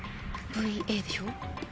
ＭＶＡでしょ？